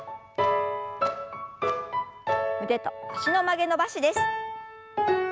腕と脚の曲げ伸ばしです。